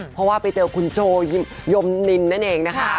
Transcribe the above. เพราะว่าไปเจอคุณโจยมนินนั่นเองนะคะ